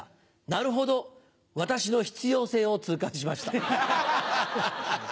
なるほど私の必要性を痛感しました」。